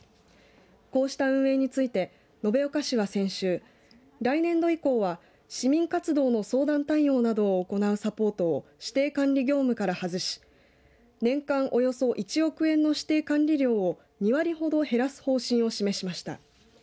こうした運営について延岡市は先週来年度以降は、市民活動の相談対応などを行うサポートを指定管理業務から外し年間およそ１億円の指定管理料を２割ほど減らす方針を示しました。